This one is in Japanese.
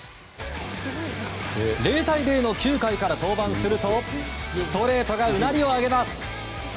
０対０の９回から登板するとストレートがうなりを上げます！